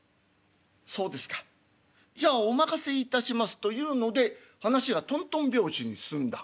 「そうですかじゃあお任せいたします」というので話がとんとん拍子に進んだ。